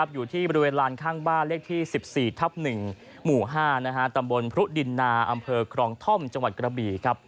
อยู่ที่บริเวณลานข้างบ้านเลขที่๑๔ทับ๑หมู่๕ตำบลพรุดินนาอำเภอครองท่อมจังหวัดกระบี่